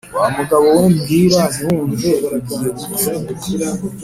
wa mugabo we mbwira ntiwumve, ugiye gupfa.